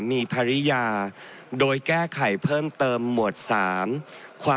มาตรา๑๔๔๘